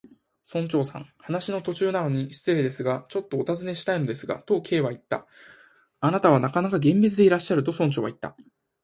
「村長さん、お話の途中なのに失礼ですが、ちょっとおたずねしたいのですが」と、Ｋ はいった。「あなたはなかなか厳密でいらっしゃる」と、村長はいった。